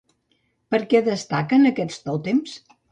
Per què destaquen aquests tòtems?